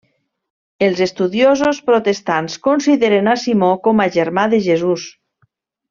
Els estudiosos protestants consideren a Simó com a germà de Jesús.